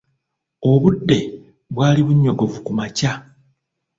Obudde bwali bunnyogovu ku makya.